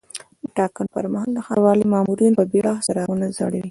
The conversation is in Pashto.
د ټاکنو پر مهال د ښاروالۍ مامورین په بیړه څراغونه ځړوي.